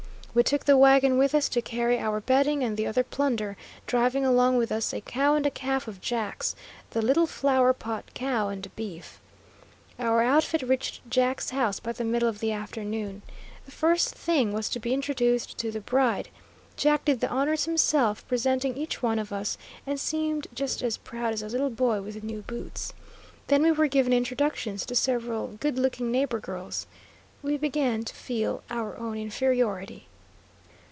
We took the wagon with us to carry our bedding and the other plunder, driving along with us a cow and a calf of Jack's, the little "Flower Pot" cow, and a beef. Our outfit reached Jack's house by the middle of the afternoon. The first thing was to be introduced to the bride. Jack did the honors himself, presenting each one of us, and seemed just as proud as a little boy with new boots. Then we were given introductions to several good looking neighbor girls. We began to feel our own inferiority.